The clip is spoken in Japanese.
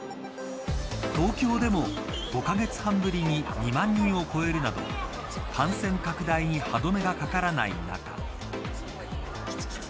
東京でも５カ月半ぶりに２万人を超えるなど感染拡大に歯止めがかからない中。